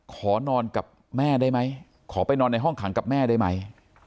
ขอนอนกับแม่ได้ไหมขอไปนอนในห้องขังกับแม่ได้ไหม